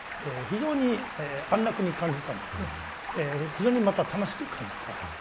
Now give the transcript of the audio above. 非常にまた楽しく感じた。